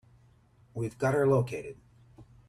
We've got her located.